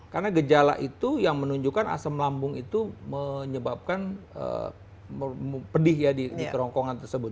karena gejala itu yang menunjukkan asam lambung itu menyebabkan pedih ya di kerongkongan tersebut